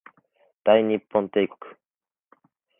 大日本帝国